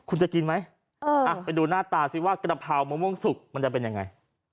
คุณจะกินไหมไปดูหน้าตาซิว่ากระเพรามะม่วงสุกมันจะเป็นยังไง